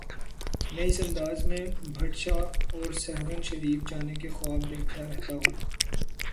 میں اس انداز میں بھٹ شاہ اور سہون شریف جانے کے خواب دیکھتا رہتا ہوں۔